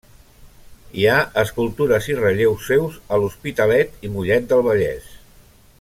Hi ha escultures i relleus seus a l'Hospitalet i Mollet del Vallès.